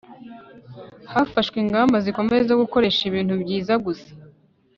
Hafashwe ingamba zikomeye zo gukoresha ibintu byiza gusa